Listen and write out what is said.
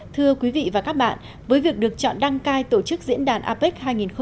thưa quý vị và các bạn với việc được chọn đăng cai tổ chức diễn đàn apec hai nghìn hai mươi